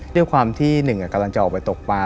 ด้วยความที่หนึ่งกำลังจะออกไปตกปลา